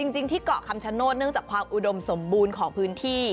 จริงที่เกาะคำชโนธเนื่องจากความอุดมสมบูรณ์ของพื้นที่